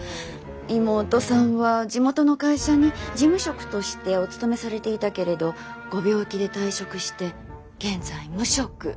妹さんは地元の会社に事務職としてお勤めされていたけれどご病気で退職して現在無職。